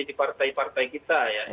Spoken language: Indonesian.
di partai partai kita ya